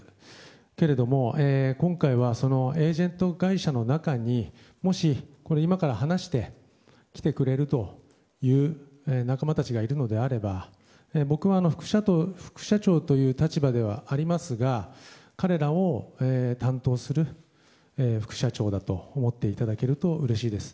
けれども、今回はエージェント会社の中にもし、今から話して来てくれるという仲間たちがいるのであれば僕は副社長という立場ではありますが彼らを担当する副社長だと思っていただけるとうれしいです。